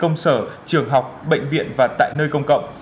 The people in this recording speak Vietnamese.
công sở trường học bệnh viện và tại nơi công cộng